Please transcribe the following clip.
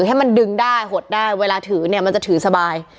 ให้มันดึงได้หดได้เวลาถือเนี่ยมันจะถือสบาย